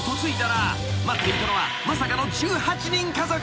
［待っていたのはまさかの１８人家族］